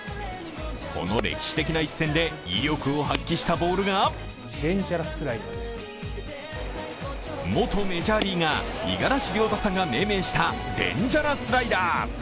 この歴史的な一戦で威力を発揮したボールが元メジャーリーガー、五十嵐亮太さんが命名したデンジャラスライダー。